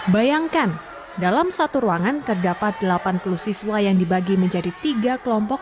bayangkan dalam satu ruangan terdapat delapan puluh siswa yang dibagi menjadi tiga kelompok